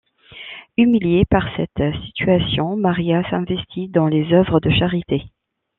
Humiliée par cette situation, Maria s'investit dans les œuvres de charité.